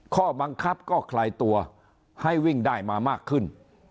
ข้อบังคับก็คลายตัวให้วิ่งได้มามากขึ้น